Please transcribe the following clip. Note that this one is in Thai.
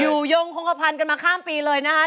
อยู่ยงโฆษภัณฑ์กันมาข้ามปีเลยนะฮะ